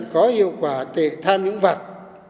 nâng cao hiệu quả tệ tham nhũng vật